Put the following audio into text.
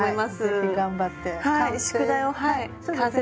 ぜひ頑張って完成。